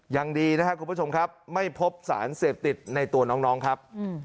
ยังดีนะครับคุณผู้ชมครับไม่พบสารเสพติดในตัวน้องครับ